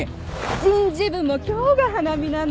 人事部も今日が花見なの。